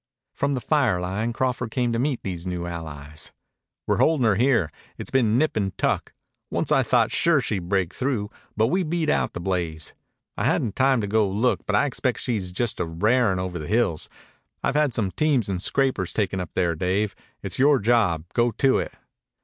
From the fire line Crawford came to meet these new allies. "We're holdin' her here. It's been nip an' tuck. Once I thought sure she'd break through, but we beat out the blaze. I hadn't time to go look, but I expect she's just a r'arin' over the hills. I've had some teams and scrapers taken up there, Dave. It's yore job. Go to it."